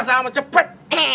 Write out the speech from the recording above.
sama sama cepet